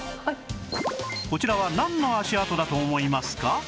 こちらはなんの足跡だと思いますか？